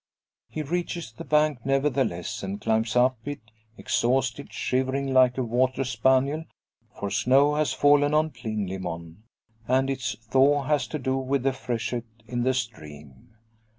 He reaches the bank, nevertheless, and climbs up it, exhausted; shivering like a water spaniel, for snow has fallen on Plinlimmon, and its thaw has to do with the freshet in the stream.